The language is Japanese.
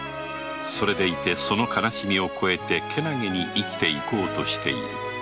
それでいてその悲しみを越えて健気に生きていこうとしている